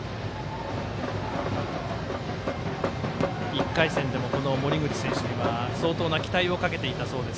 １回戦でもこの森口選手には相当な期待をかけていたそうです。